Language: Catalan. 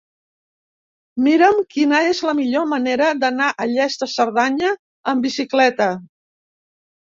Mira'm quina és la millor manera d'anar a Lles de Cerdanya amb bicicleta.